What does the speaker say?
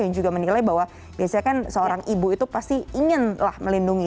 yang juga menilai bahwa biasanya kan seorang ibu itu pasti inginlah melindungi